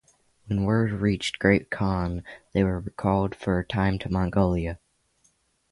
When word reached the Great Khan, they were recalled for a time to Mongolia.